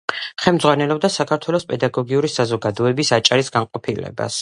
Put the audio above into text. ხელმძღვანელობდა საქართველოს პედაგოგიური საზოგადოების აჭარის განყოფილებას.